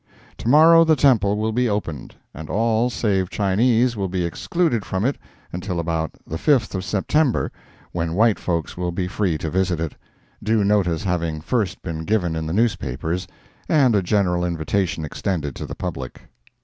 To morrow the temple will be opened, and all save Chinese will be excluded from it until about the 5th of September, when white folks will be free to visit it, due notice having first been given in the newspapers, and a general invitation extended to the public.